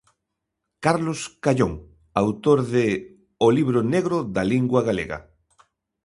Carlos Callón, autor de "O libro negro da lingua galega".